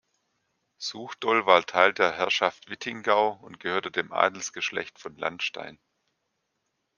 Suchdol war Teil der Herrschaft Wittingau und gehörte dem Adelsgeschlecht von Landstein.